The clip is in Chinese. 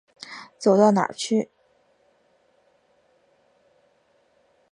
走到哪儿去。